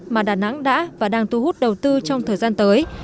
mà đà nẵng đã và đang tu hút đầu tư trong thời gian tới